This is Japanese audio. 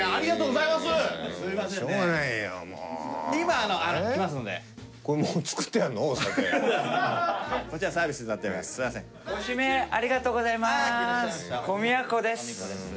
ご指名ありがとうございます。